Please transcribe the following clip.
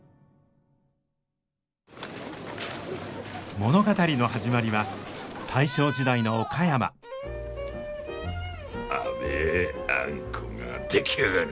物語の始まりは大正時代の岡山甘えあんこが出来上がる。